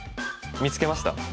見つけました？